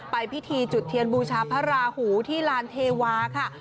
ไปพิธีจุดเทียนบูชาพระราหูที่ลานเทวาค่ะ